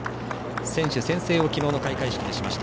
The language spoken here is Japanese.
選手宣誓を昨日の開会式でしました。